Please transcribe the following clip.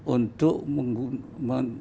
untuk tidak menggunakan itu